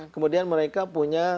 kemudian mereka punya